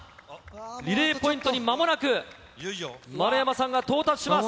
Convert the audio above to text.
リレーポイントにまもなく、丸山さんが到達します。